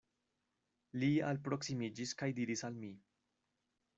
Li alproksimiĝis kaj diris al mi.